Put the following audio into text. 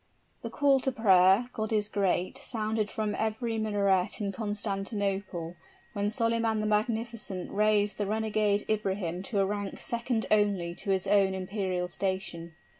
The call to prayer, "God is great," sounded from every minaret in Constantinople, when Solyman the Magnificent raised the renegade Ibrahim to a rank second only to his own imperial station.